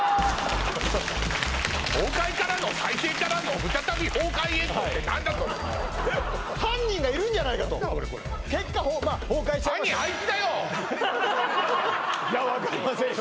「崩壊からの再生からの再び崩壊へ」って何だそれ？もうっ犯人がいるんじゃないかと結果まあ崩壊しちゃいましたいや分かりませんよ